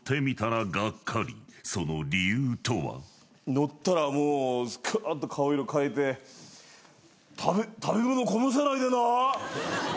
乗ったら顔色変えて食べ物こぼさないでな。